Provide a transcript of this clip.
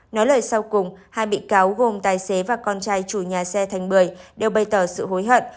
nói lời sau cùng hai bị cáo gồm tài xế và con trai chủ nhà xe thành bưởi đều bày tỏ sự hối hận